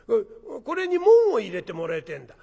これに紋を入れてもらいてえんだ。